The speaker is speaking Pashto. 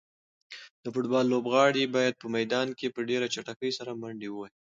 د فوټبال لوبغاړي باید په میدان کې په ډېره چټکۍ سره منډې ووهي.